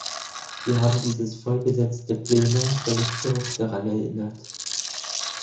Sie haben dieses voll besetzte Plenum völlig zu Recht daran erinnert.